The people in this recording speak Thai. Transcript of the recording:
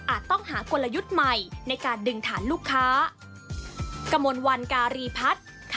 ต้องหากลยุทธ์ใหม่ในการดึงฐานลูกค้า